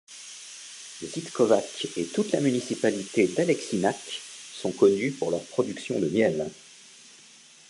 Žitkovac et toute la municipalité d'Aleksinac sont connus pour leur production de miel.